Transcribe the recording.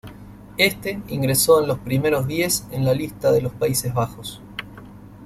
Éste ingresó en los primeros diez en la lista de los Países Bajos.